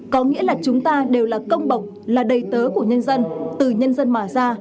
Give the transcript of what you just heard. có nghĩa là chúng ta đều là công bậc là đầy tớ của nhân dân từ nhân dân mà ra